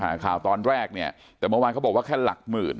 ข่าวตอนแรกเนี่ยแต่เมื่อวานเขาบอกว่าแค่หลักหมื่น